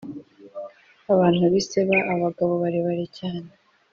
abantu b’i seba, abagabo barebare cyane,